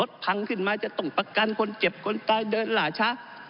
ทรที่๔แถมอะไร